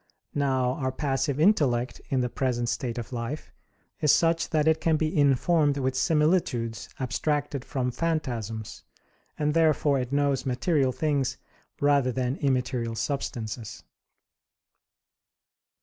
Now our passive intellect, in the present state of life, is such that it can be informed with similitudes abstracted from phantasms: and therefore it knows material things rather than immaterial substances.